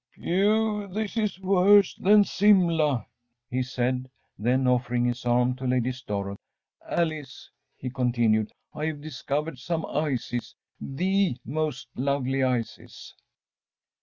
“Phew, this is worse than Simla,‚ÄĚ he said; then, offering his arm to Lady Storrel, ‚ÄúAlice,‚ÄĚ he continued, “I have discovered some ices, THE most lovely ices.